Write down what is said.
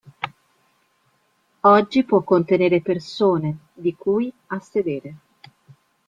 Oggi può contenere persone, di cui a sedere.